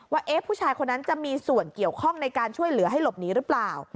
ว่าผู้ชายคนนั้นจะมีส่วนเกี่ยวข้องในการช่วยเหลือให้หลบหนีหรือเปล่า